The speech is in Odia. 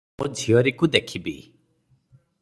ମୋ ଝିଅରୀକୁ ଦେଖିବି ।